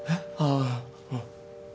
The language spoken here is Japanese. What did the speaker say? ああうん。